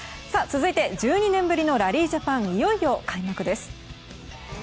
続いて、１２年ぶりのラリー・ジャパンいよいよ開幕です。